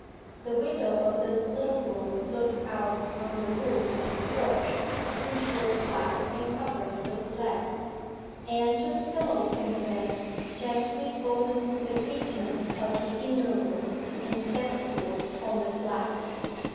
The window of this little room looked out upon the roof of the porch, which was flat and covered with lead. Anne took a pillow from the bed, gently opened the casement of the inner room and stepped forth on the flat.